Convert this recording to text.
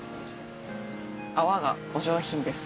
泡がお上品です